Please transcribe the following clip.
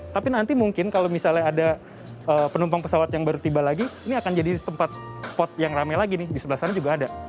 tapi nanti mungkin kalau misalnya ada penumpang pesawat yang baru tiba lagi ini akan jadi tempat spot yang rame lagi nih di sebelah sana juga ada